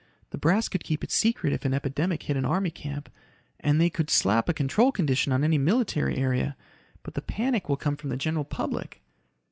The brass could keep it secret if an epidemic hit an army camp. And they could slap a control condition on any military area. But the panic will come from the general public."